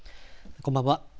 こんばんは。